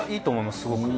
すごく。